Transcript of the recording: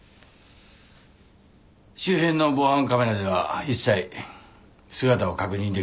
周辺の防犯カメラでは一切姿を確認できていません。